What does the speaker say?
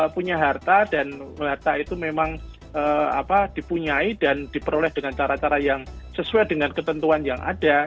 punya harta dan harta itu memang dipunyai dan diperoleh dengan cara cara yang sesuai dengan ketentuan yang ada